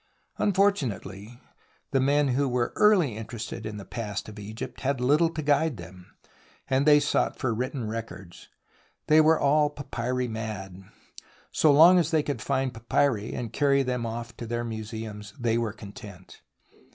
Unfortunately the men who were early interested in the past of Egypt had little to guide them, and they sought for written records. They were all papyri mad. So long as they could find papyri and carry them off to their museums they were content.